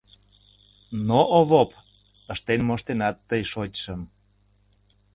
— Но, Овоп, ыштен моштенат тый шочшым!